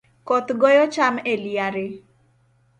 Koth goyo cham eliare